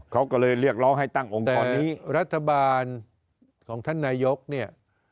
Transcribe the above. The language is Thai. เขาก็เลยเรียกร้องให้ตั้งองค์กรนี้รัฐบาลของท่านนายกเนี่ย